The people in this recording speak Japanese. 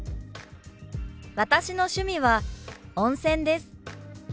「私の趣味は温泉です」。